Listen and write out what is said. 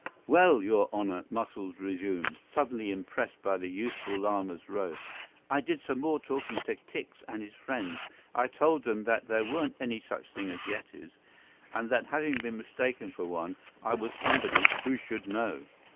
"Well, your honor," Muscles resumed, suddenly impressed by the youthful Lama's robe, "I did some more talking to Tikse and his friends. I told them that there weren't any such things as Yetis, and that having been mistaken for one, I was somebody who should know.